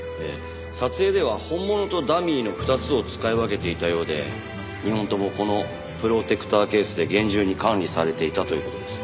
撮影では本物とダミーの２つを使い分けていたようで２本ともこのプロテクターケースで厳重に管理されていたという事です。